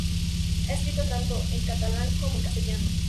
Ha escrito tanto en catalán como en castellano.